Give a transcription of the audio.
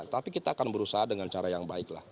tapi kita akan berusaha dengan cara yang baik lah